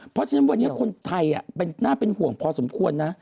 เพราะฉะนั้นวันนี้คนไทยน่าเป็นห่วงพอสมควรนะ